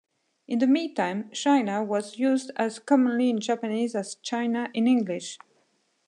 In the meantime, "Shina" was used as commonly in Japanese as "China" in English.